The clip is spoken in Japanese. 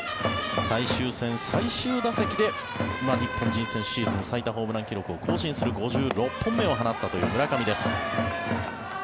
最終戦、最終打席で日本人選手シーズン最多ホームラン記録を更新する５６本目を放った村上です。